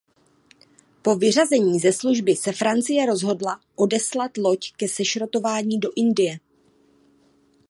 Po vyřazení ze služby se Francie rozhodla odeslat loď ke sešrotování do Indie.